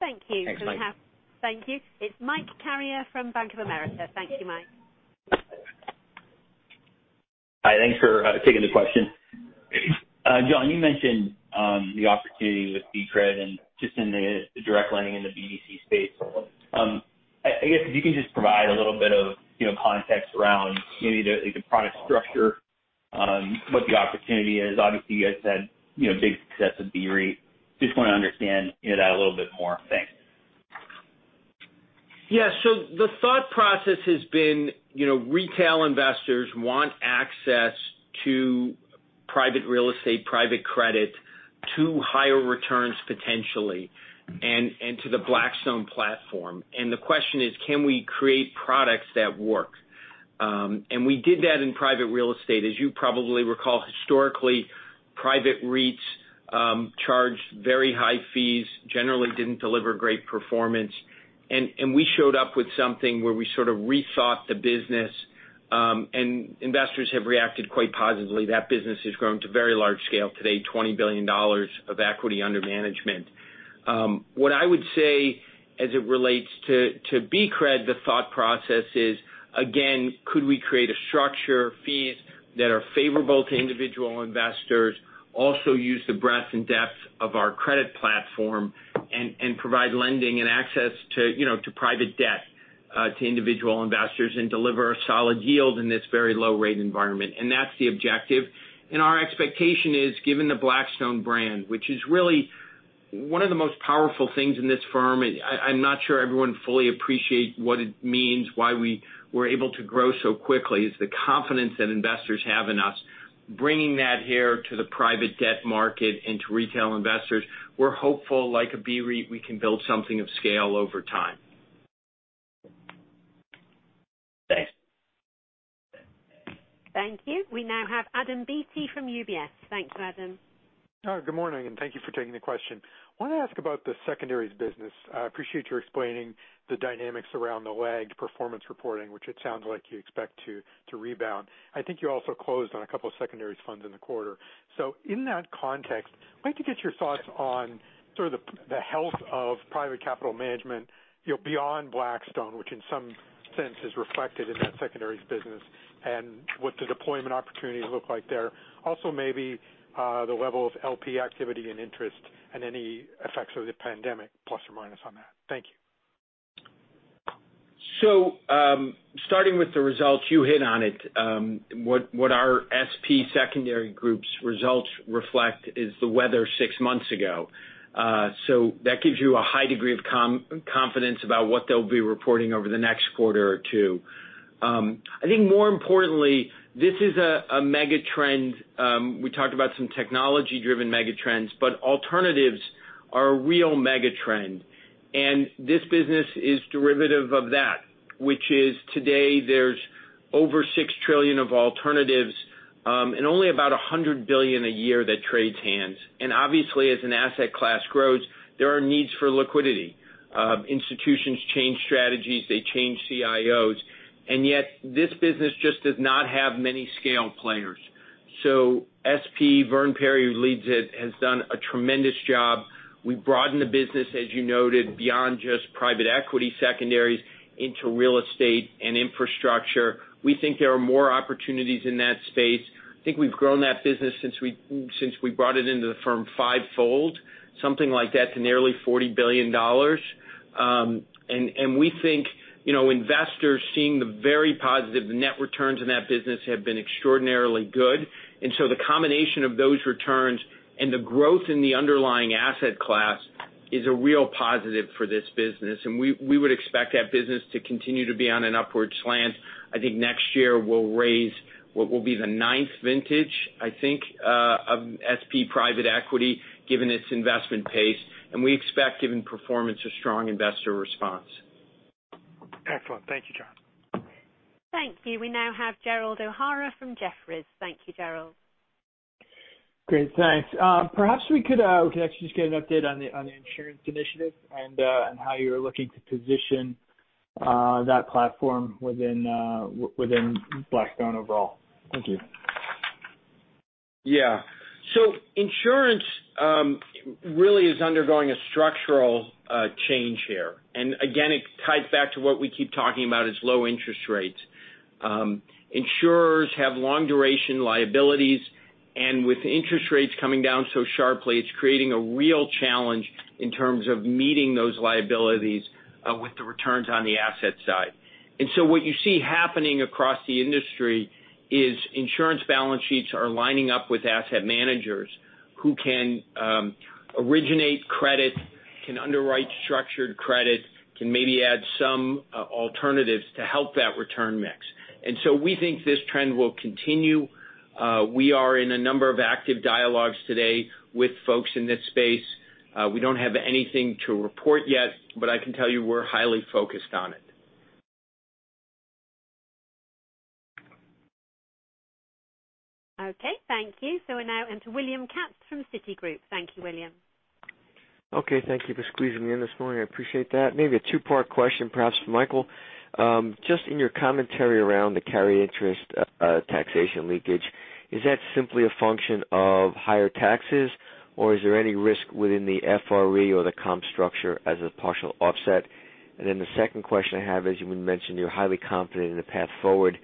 Thanks, Mike. Thank you. It's Mike Carrier from Bank of America. Thank you, Mike. Hi. Thanks for taking the question. Jon, you mentioned the opportunity with BCRED. Just in the direct lending in the BDC space. I guess if you can just provide a little bit of context around maybe the product structure, what the opportunity is. You guys had big success with BREIT. Just want to understand that a little bit more. Thanks. Yeah. The thought process has been retail investors want access to private real estate, private credit to higher returns potentially, and to the Blackstone platform. The question is, can we create products that work? We did that in private real estate. As you probably recall, historically, private REITs charged very high fees, generally didn't deliver great performance. We showed up with something where we sort of rethought the business, and investors have reacted quite positively. That business has grown to very large scale today, $20 billion of equity under management. What I would say as it relates to BCRED, the thought process is, again, could we create a structure, fees that are favorable to individual investors, also use the breadth and depth of our credit platform, and provide lending and access to private debt to individual investors, and deliver a solid yield in this very low rate environment? That's the objective. Our expectation is, given the Blackstone brand, which is really one of the most powerful things in this firm, I'm not sure everyone fully appreciates what it means, why we were able to grow so quickly, is the confidence that investors have in us. Bringing that here to the private debt market and to retail investors, we're hopeful, like a BREIT, we can build something of scale over time. Thanks. Thank you. We now have Adam Beatty from UBS. Thanks, Adam. Good morning, and thank you for taking the question. I want to ask about the secondaries business. I appreciate your explaining the dynamics around the lagged performance reporting, which it sounds like you expect to rebound. I think you also closed on a couple of secondaries funds in the quarter. In that context, like to get your thoughts on sort of the health of private capital management beyond Blackstone, which in some sense is reflected in that secondaries business, and what the deployment opportunities look like there. Maybe the level of LP activity and interest and any effects of the pandemic, plus or minus on that. Thank you. Starting with the results, you hit on it. What our SP secondary group's results reflect is the weather six months ago. That gives you a high degree of confidence about what they'll be reporting over the next quarter or two. I think more importantly, this is a mega trend. We talked about some technology-driven mega trends, alternatives are a real mega trend. This business is derivative of that, which is today there's over $6 trillion of alternatives, and only about $100 billion a year that trades hands. Obviously, as an asset class grows, there are needs for liquidity. Institutions change strategies, they change CIOs, this business just does not have many scale players. SP, Verdun Perry, who leads it, has done a tremendous job. We broadened the business, as you noted, beyond just private equity secondaries into real estate and infrastructure. We think there are more opportunities in that space. I think we've grown that business since we brought it into the firm fivefold, something like that, to nearly $40 billion. We think investors seeing the very positive net returns in that business have been extraordinarily good. The combination of those returns and the growth in the underlying asset class is a real positive for this business, and we would expect that business to continue to be on an upward slant. I think next year we'll raise what will be the ninth vintage, I think, of SP private equity, given its investment pace. We expect, given performance, a strong investor response. Excellent. Thank you, Jon. Thank you. We now have Gerald O'Hara from Jefferies. Thank you, Gerald. Great. Thanks. Perhaps we could actually just get an update on the insurance initiative and how you're looking to position that platform within Blackstone overall. Thank you. Yeah. Insurance really is undergoing a structural change here. Again, it ties back to what we keep talking about is low interest rates. Insurers have long duration liabilities, and with interest rates coming down so sharply, it's creating a real challenge in terms of meeting those liabilities with the returns on the asset side. What you see happening across the industry is insurance balance sheets are lining up with asset managers who can originate credit, can underwrite structured credit, can maybe add some alternatives to help that return mix. We think this trend will continue. We are in a number of active dialogues today with folks in this space. We don't have anything to report yet, but I can tell you we're highly focused on it. Okay, thank you. We now enter William Katz from Citigroup. Thank you, William. Thank you for squeezing me in this morning. I appreciate that. A two-part question, perhaps for Michael. In your commentary around the carry interest taxation leakage, is that simply a function of higher taxes, or is there any risk within the FRE or the comp structure as a partial offset? The second question I have is, you mentioned you're highly confident in the path forward.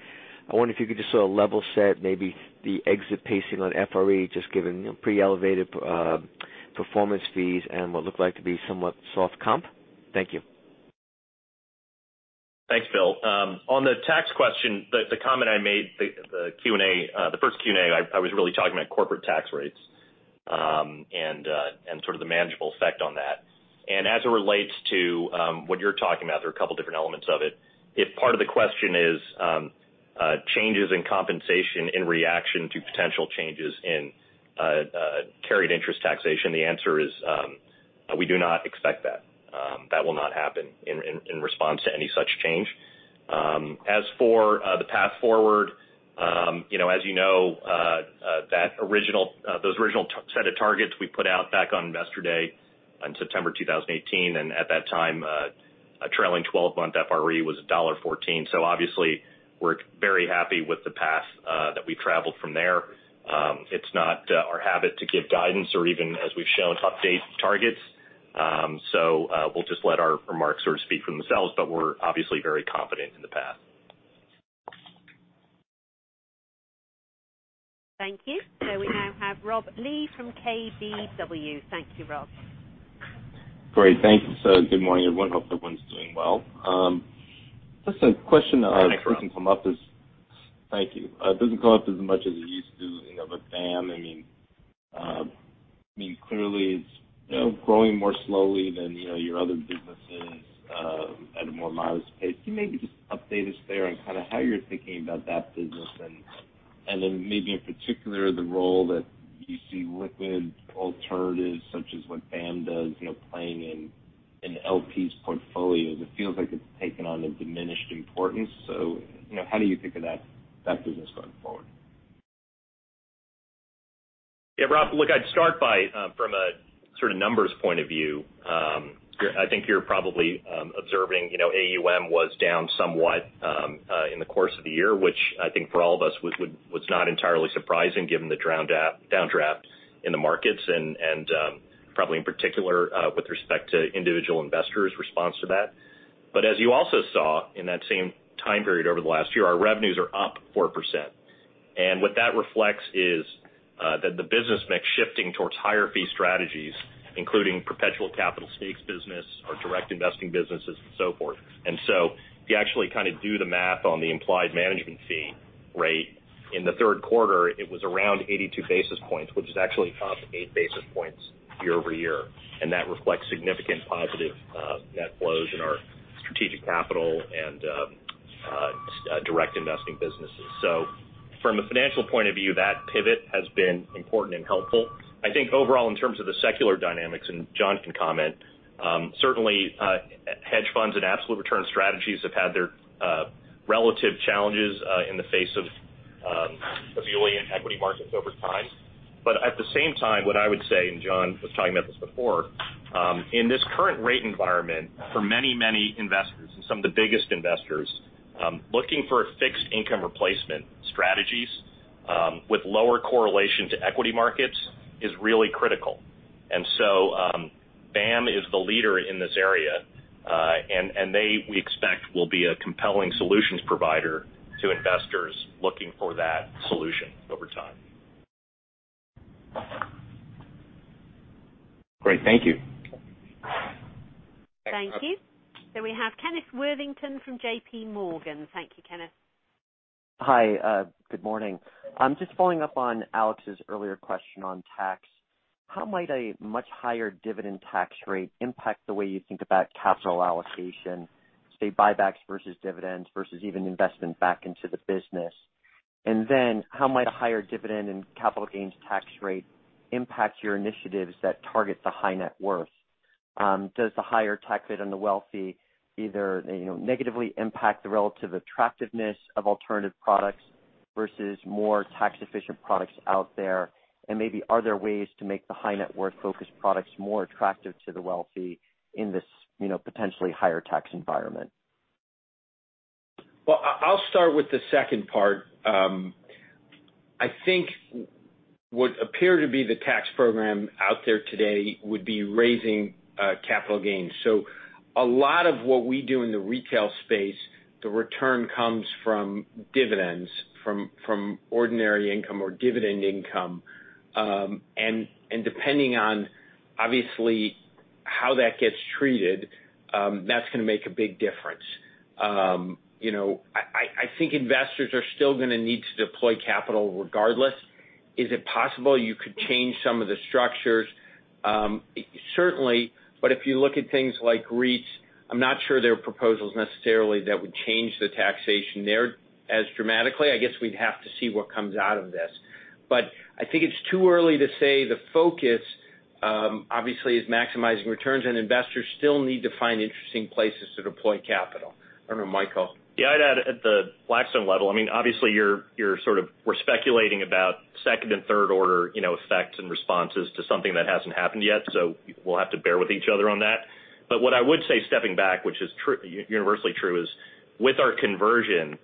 I wonder if you could just sort of level set maybe the exit pacing on FRE, just given pre-elevated performance fees and what looked like to be somewhat soft comp. Thank you. Thanks, Bill. On the tax question, the comment I made, the first Q&A, I was really talking about corporate tax rates, and sort of the manageable effect on that. As it relates to what you're talking about, there are a couple different elements of it. If part of the question is changes in compensation in reaction to potential changes in carried interest taxation, the answer is, we do not expect that. That will not happen in response to any such change. As for the path forward, as you know, those original set of targets we put out back on Investor Day in September 2018, and at that time, a trailing 12-month FRE was $1.14. Obviously, we're very happy with the path that we've traveled from there. It's not our habit to give guidance or even, as we've shown, update targets. We'll just let our remarks sort of speak for themselves, but we're obviously very confident in the path. Thank you. We now have Rob Lee from KBW. Thank you, Rob. Great. Thanks. Good morning, everyone. Hope everyone's doing well. Hi, Rob. Thank you. It doesn't come up as much as it used to. BAAM, clearly it's growing more slowly than your other businesses at a more modest pace. Can you maybe just update us there on kind of how you're thinking about that business and then maybe in particular, the role that you see liquid alternatives, such as what BAAM does, playing in LPs portfolios. It feels like it's taken on a diminished importance. How do you think of that business going forward? Yeah, Rob, look, I'd start by from a sort of numbers point of view. I think you're probably observing AUM was down somewhat in the course of the year, which I think for all of us was not entirely surprising given the downdraft in the markets and probably in particular with respect to individual investors' response to that. As you also saw in that same time period over the last year, our revenues are up 4%. What that reflects is that the business mix shifting towards higher fee strategies, including perpetual capital stakes business, our direct investing businesses and so forth. If you actually kind of do the math on the implied management fee rate, in the Q3, it was around 82 basis points, which is actually up 8 basis points year-over-year, and that reflects significant positive net flows in our strategic capital and direct investing businesses. From a financial point of view, that pivot has been important and helpful. I think overall, in terms of the secular dynamics, and Jon can comment, certainly hedge funds and absolute return strategies have had their relative challenges in the face of ebullient equity markets over time. At the same time, what I would say, and Jon was talking about this before, in this current rate environment, for many investors and some of the biggest investors, looking for fixed income replacement strategies with lower correlation to equity markets is really critical. BAAM is the leader in this area. They, we expect, will be a compelling solutions provider to investors looking for that solution over time. Great. Thank you. Thank you. We have Kenneth Worthington from JPMorgan. Thank you, Kenneth. Hi. Good morning. Just following up on Alex's earlier question on tax. How might a much higher dividend tax rate impact the way you think about capital allocation, say, buybacks versus dividends versus even investment back into the business? How might a higher dividend and capital gains tax rate impact your initiatives that target the high net worth? Does the higher tax rate on the wealthy either negatively impact the relative attractiveness of alternative products versus more tax efficient products out there? Maybe are there ways to make the high net worth focused products more attractive to the wealthy in this potentially higher tax environment? I'll start with the second part. I think what appear to be the tax program out there today would be raising capital gains. A lot of what we do in the retail space, the return comes from dividends, from ordinary income or dividend income. Depending on obviously how that gets treated, that's going to make a big difference. I think investors are just going to need to deploy capital regardless. Is it possible you could change some of the structures? Certainly. If you look at things like REITs, I'm not sure there are proposals necessarily that would change the taxation there as dramatically. I guess we'd have to see what comes out of this. I think it's too early to say the focus, obviously, is maximizing returns, and investors still need to find interesting places to deploy capital. I don't know, Michael. I'd add at the Blackstone level, obviously, we're speculating about second and third order effects and responses to something that hasn't happened yet. We'll have to bear with each other on that. What I would say, stepping back, which is universally true, is with our conversion,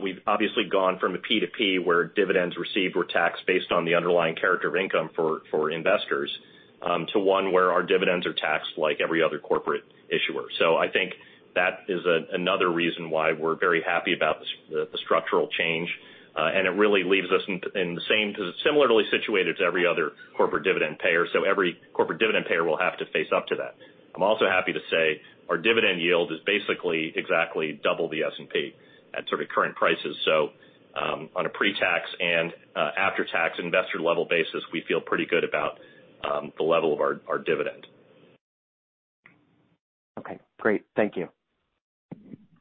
we've obviously gone from a PTP where dividends received were taxed based on the underlying character of income for investors to one where our dividends are taxed like every other corporate issuer. I think that is another reason why we're very happy about the structural change. It really leaves us in the same, because it's similarly situated to every other corporate dividend payer. Every corporate dividend payer will have to face up to that. I'm also happy to say our dividend yield is basically exactly double the S&P at sort of current prices. On a pre-tax and after-tax investor level basis, we feel pretty good about the level of our dividend. Okay, great. Thank you.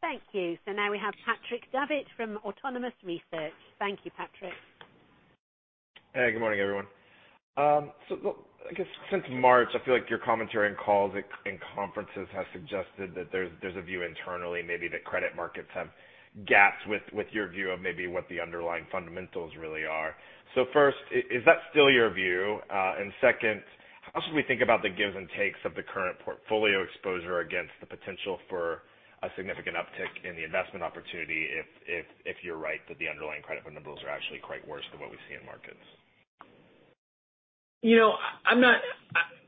Thank you. Now we have Patrick Davitt from Autonomous Research. Thank you, Patrick. Hey, good morning, everyone. Look, I guess since March, I feel like your commentary on calls and conferences has suggested that there's a view internally maybe that credit markets have gaps with your view of maybe what the underlying fundamentals really are. First, is that still your view? Second, how should we think about the gives and takes of the current portfolio exposure against the potential for a significant uptick in the investment opportunity if you're right that the underlying credit fundamentals are actually quite worse than what we see in markets?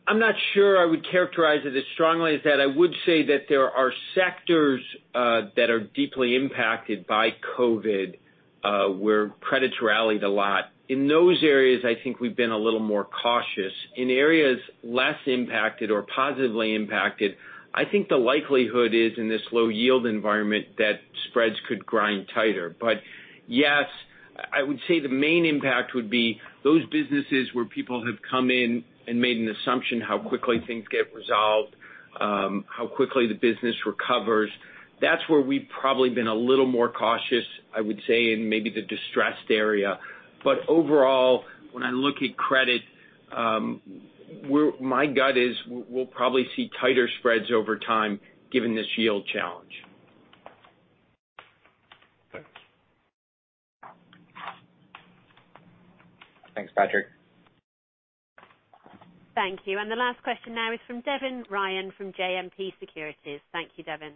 I'm not sure I would characterize it as strongly as that. I would say that there are sectors that are deeply impacted by COVID, where credit's rallied a lot. In those areas, I think we've been a little more cautious. In areas less impacted or positively impacted, I think the likelihood is, in this low yield environment, that spreads could grind tighter. Yes, I would say the main impact would be those businesses where people have come in and made an assumption how quickly things get resolved, how quickly the business recovers. That's where we've probably been a little more cautious, I would say, in maybe the distressed area. Overall, when I look at credit, my gut is we'll probably see tighter spreads over time given this yield challenge. Thanks. Thanks, Patrick. Thank you. The last question now is from Devin Ryan from JMP Securities. Thank you, Devin.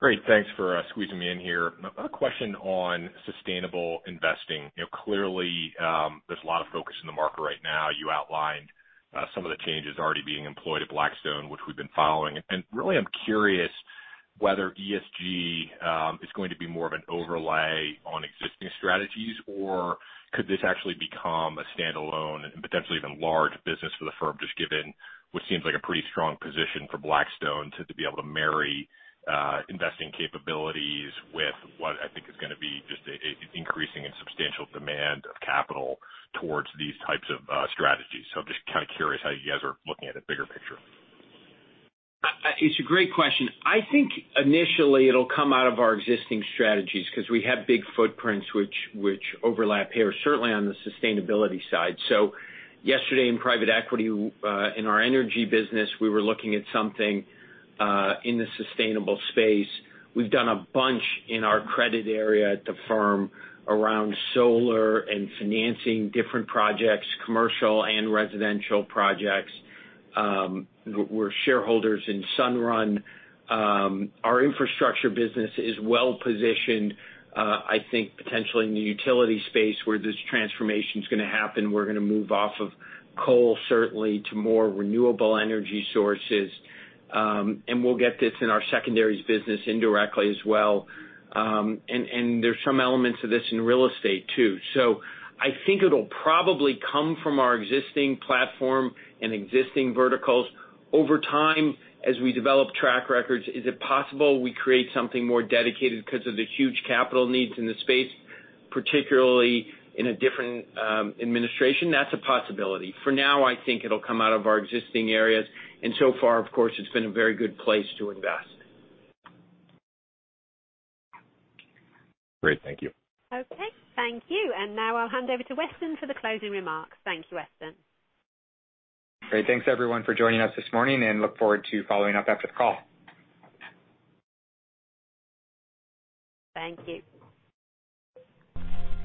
Great. Thanks for squeezing me in here. A question on sustainable investing. Clearly, there's a lot of focus in the market right now. You outlined some of the changes already being employed at Blackstone, which we've been following. Really, I'm curious whether ESG is going to be more of an overlay on existing strategies, or could this actually become a standalone and potentially even large business for the firm, just given what seems like a pretty strong position for Blackstone to be able to marry investing capabilities with what I think is going to be just an increasing and substantial demand of capital towards these types of strategies. I'm just kind of curious how you guys are looking at it, bigger picture. It's a great question. I think initially it'll come out of our existing strategies because we have big footprints which overlap here, certainly on the sustainability side. Yesterday in private equity, in our energy business, we were looking at something in the sustainable space. We've done a bunch in our credit area at the firm around solar and financing different projects, commercial and residential projects. We're shareholders in Sunrun. Our infrastructure business is well positioned, I think, potentially in the utility space where this transformation's going to happen. We're going to move off of coal, certainly, to more renewable energy sources. We'll get this in our secondaries business indirectly as well. There's some elements of this in real estate, too. I think it'll probably come from our existing platform and existing verticals. Over time, as we develop track records, is it possible we create something more dedicated because of the huge capital needs in the space, particularly in a different administration? That's a possibility. For now, I think it'll come out of our existing areas. So far, of course, it's been a very good place to invest. Great. Thank you. Okay. Thank you. Now I'll hand over to Weston for the closing remarks. Thank you, Weston. Great. Thanks everyone for joining us this morning and look forward to following up after the call. Thank you.